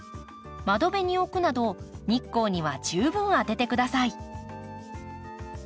窓辺に置くなど日光には十分当てて下さい。